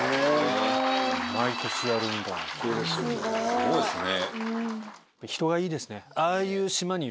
すごいっすね。